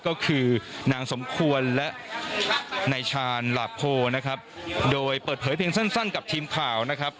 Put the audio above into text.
ก็คือนางสมควรและนายชาญหลาโพนะครับโดยเปิดเผยเพียงสั้นสั้นกับทีมข่าวนะครับ